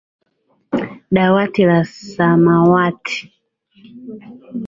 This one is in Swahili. Dawati la samawati